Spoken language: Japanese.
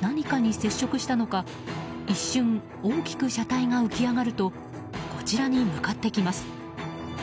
何かに接触したのか一瞬大きく車体が浮き上がるとこちらに向かってきます。